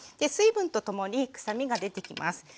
水分とともに臭みが出てきます。